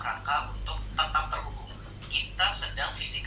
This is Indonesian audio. kita sedang physical distancing